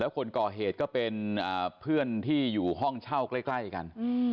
คนก่อเหตุก็เป็นเพื่อนที่อยู่ห้องเช่าใกล้กัน